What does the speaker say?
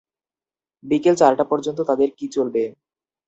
বিকেল চারটা পর্যন্ত তাঁদের কি চলবে?